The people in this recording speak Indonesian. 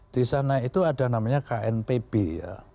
di sana itu ada namanya knpb ya